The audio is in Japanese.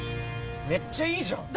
めっちゃいいじゃん！